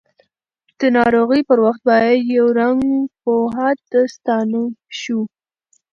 د ناروغۍ پر وخت باید یؤ رنځ پوه ته ستانه شوو!